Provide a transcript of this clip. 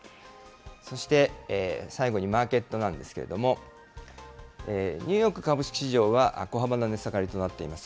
そして最後にマーケットなんですけれども、ニューヨーク株式市場は小幅な値下がりとなっています。